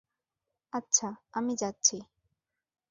আচ্ছা, আমি যাচ্ছি।